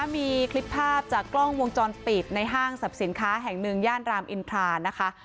มีคลิปภาพจากกล้องวงจรปิดในห้างสรรพสินค้าแห่งหนึ่งย่านรามอินทรานะคะ